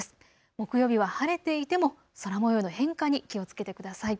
木曜日は晴れていても空もようの変化に気をつけてください。